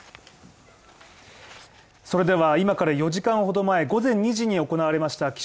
それでは今から４時間ほど前午前２時に行われました